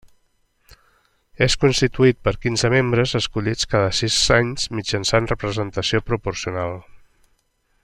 És constituït per quinze membres, escollits cada sis anys mitjançant representació proporcional.